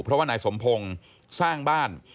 เพราะว่านายสมพงศ์สร้างบ้าน